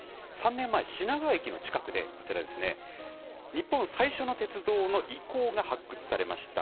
３年前、品川駅の近くで、こちらですね、日本最初の鉄道の遺構が発掘されました。